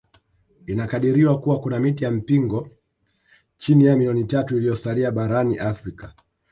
Inakadiriwa kuwa kuna miti ya mpingo chini ya milioni tatu iliyosalia barani Afrika